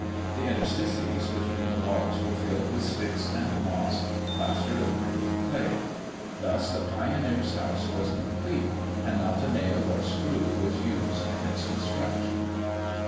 The interstices between the logs were filled with sticks and moss, plastered over with clay. Thus the pioneer's house was complete, and not a nail or screw was used in its construction.